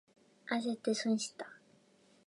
あせって損した。